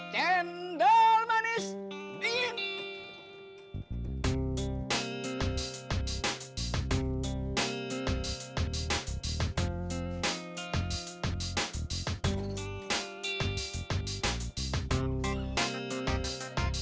cendol manis dingin